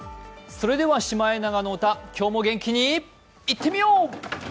それでは「シマエナガの歌」今日も元気にいってみよう！